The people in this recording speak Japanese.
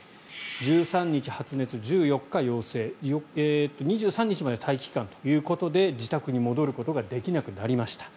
１３日発熱、１４日陽性２３日まで待機期間ということで自宅に戻ることができなくなりました。